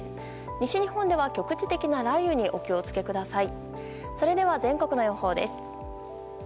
西日本では、局地的な雷雨にお気を付けください。